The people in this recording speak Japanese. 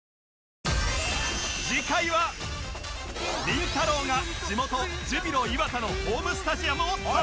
りんたろー。が地元ジュビロ磐田のホームスタジアムを探訪